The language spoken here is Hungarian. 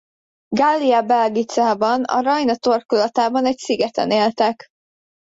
Gallia Belgicában a Rajna torkolatában egy szigeten éltek.